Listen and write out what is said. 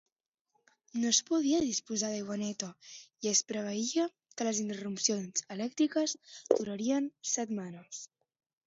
No es podia disposar d'aigua neta i es preveia que les interrupcions elèctriques durarien setmanes.